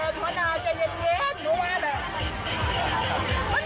อ่ะโภตกระโภตกราบหุ้นด้านไว้